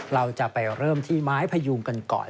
เราจะไปเริ่มที่ไม้พยูงกันก่อน